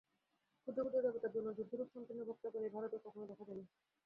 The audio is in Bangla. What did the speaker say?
ক্ষুদ্র ক্ষুদ্র দেবতার জন্য যুদ্ধরূপ সঙ্কীর্ণ ভাব কেবল এই ভারতেই কখনও দেখা যায় নাই।